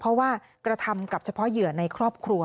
เพราะว่ากระทำกับเฉพาะเหยื่อในครอบครัว